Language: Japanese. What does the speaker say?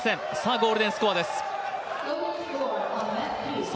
ゴールデンスコアです。